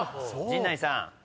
陣内さん。